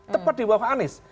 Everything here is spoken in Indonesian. tepat di bawah anies